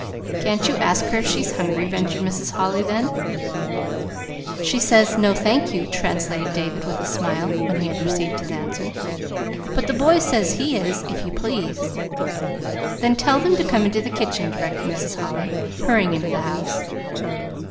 "Can't you ask her if she's hungry?" ventured Mrs. Holly, then. "She says no, thank you," translated David, with a smile, when he had received his answer. "But the boy says he is, if you please." "Then, tell them to come into the kitchen," directed Mrs. Holly, hurrying into the house.